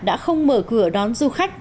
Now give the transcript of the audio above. đã không mở cửa đón du khách